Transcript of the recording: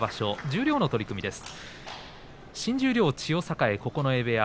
十両の取組です。